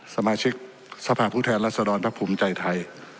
สมาชิกสภาพผู้แทนลักษณ์ร้อนพระภูมิใจไทย